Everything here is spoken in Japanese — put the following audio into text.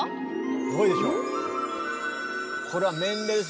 すごいでしょう。